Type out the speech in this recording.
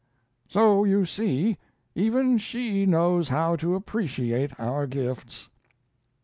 So, you see, even she knows how to appreciate our gifts....